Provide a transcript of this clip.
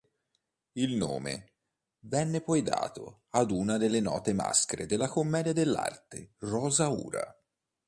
Il nome venne poi dato ad una delle note maschere della commedia dell'arte, Rosaura.